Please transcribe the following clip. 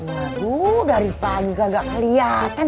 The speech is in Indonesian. waduh dari pagi kagak keliatan